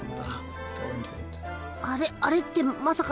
あれあれってまさか？